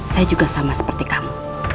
saya juga sama seperti kamu